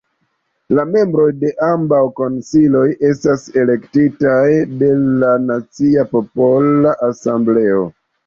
La membroj de ambaŭ konsilioj estas elektitaj de la Nacia Popola Asembleo.